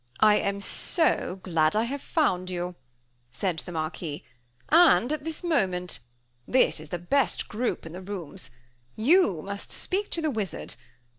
"I am so glad I have found you," said the Marquis; "and at this moment. This is the best group in the rooms. You must speak to the wizard.